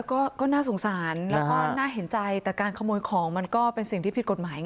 ก็น่าสงสารแล้วก็น่าเห็นใจแต่การขโมยของมันก็เป็นสิ่งที่ผิดกฎหมายไง